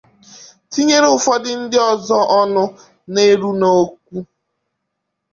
tinyere ụfọdụ ndị ọzọ ọnụ na-eru n'okwu